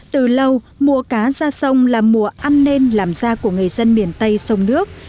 từ lâu mùa cá ra sông là mùa ăn nên làm ra của người dân miền tây sông nước